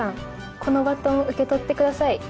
このバトン受け取って下さい。